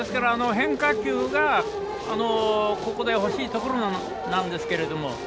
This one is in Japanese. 変化球がここでほしいところなんですけれども。